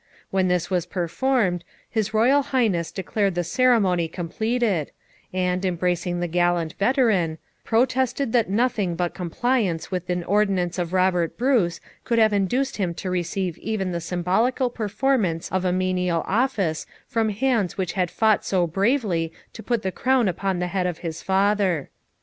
When this was performed, his Royal Highness declared the ceremony completed; and, embracing the gallant veteran, protested that nothing but compliance with an ordinance of Robert Bruce could have induced him to receive even the symbolical performance of a menial office from hands which had fought so bravely to put the crown upon the head of his father.